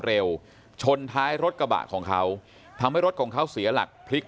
เร็วชนท้ายรถกระบะของเขาทำให้รถของเขาเสียหลักพลิก